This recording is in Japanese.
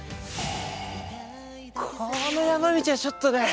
この山道はちょっとね。